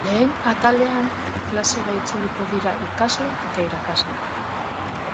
Lehen atalean, klasera itzuliko dira ikasle eta irakasleak.